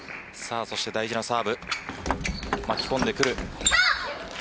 大事なサーブ、巻き込んでくる。